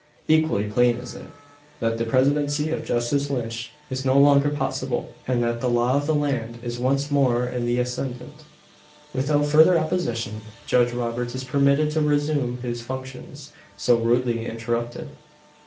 Equally plain is it, that the presidency of Justice Lynch is no longer possible; and that the law of the land is once more in the ascendant. Without further opposition Judge Roberts is permitted to resume his functions, so rudely interrupted.